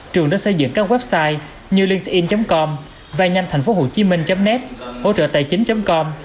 trường đã xây dựng các website như linkedin com vaynhanhtp hcm net hỗ trợtàichính com